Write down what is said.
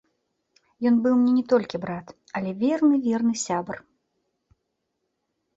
Ён быў мне не толькі брат, але верны-верны сябар.